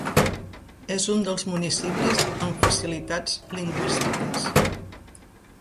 És un dels municipis amb facilitats lingüístiques.